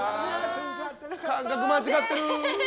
感覚間違ってる！